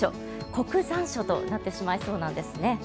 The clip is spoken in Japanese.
酷残暑となってしまいそうなんですね。